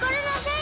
ん？